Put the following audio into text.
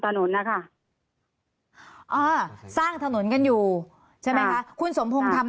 ถนนนะคะอ่าสร้างถนนกันอยู่ใช่ไหมคะคุณสมพงศ์ทำ